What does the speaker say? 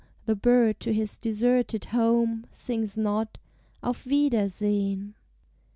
The bird to his deserted home Sings not, "Auf wiedersehen!"